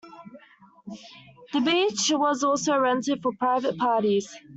The beach was also rented for private parties.